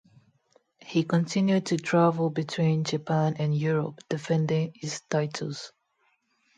He continued to travel between Japan and Europe, defending his titles.